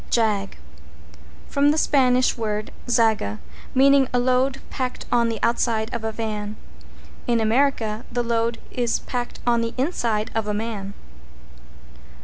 =JAG= From the Spanish word zaga, meaning a load packed on the outside of a van. In America the load is packed on the inside of a man.